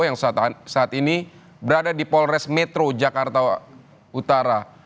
yang saat ini berada di polres metro jakarta utara